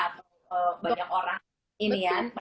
atau banyak orang ini ya